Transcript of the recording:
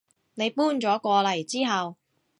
你搬咗過嚟之後